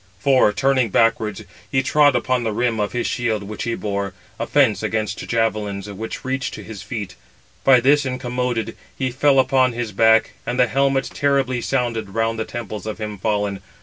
For, turning backwards, he trod upon the rim of his shield which he bore, a fence against javelins, which reached to his feet; by this incommoded, he fell upon his back, and the helmet terribly sounded round the temples of him fallen.